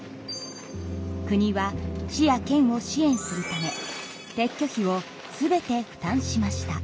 国は市や県を支援するため撤去費を全て負担しました。